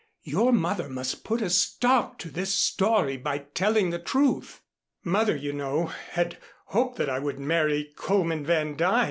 Your mother must put a stop to this story by telling the truth." "Mother, you know, had hoped that I would marry Coleman Van Duyn.